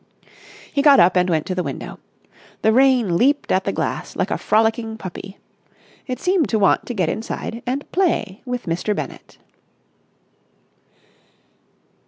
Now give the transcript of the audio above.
He got up and went to the window. The rain leaped at the glass like a frolicking puppy. It seemed to want to get inside and play with Mr. Bennett.